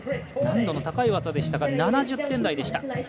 難易度の高い技でしたが７０点台でした。